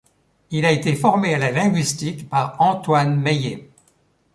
Il a été formé à la linguistique par Antoine Meillet.